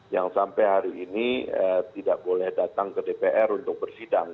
yang sampai hari ini tidak boleh datang ke dpr untuk bersidang